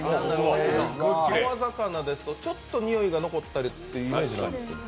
川魚ですとちょっとにおいが残ったりというイメージなんですが。